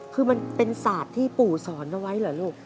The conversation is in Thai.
คือมันเป็นศาสตร์ที่ปู่สอนเอาไว้เหรอลูก